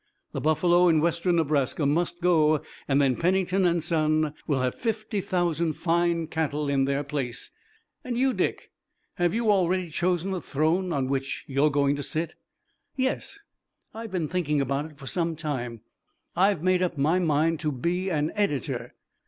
The buffalo in Western Nebraska must go and then Pennington and Son will have fifty thousand fine cattle in their place. And you, Dick, have you already chosen the throne on which you're going to sit?" "Yes, I've been thinking about it for some time. I've made up my mind to be an editor.